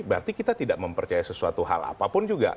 berarti kita tidak mempercaya sesuatu hal apapun juga